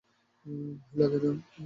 ভয় লাগে না?